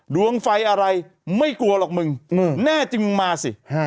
ดวงไฟอะไรไม่กลัวหรอกมึงแน่จึงมาสิ